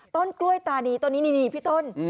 ต้นกล้วยตานีต้นนี้นี่พี่ต้น